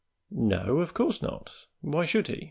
"No, of course not. Why should he?"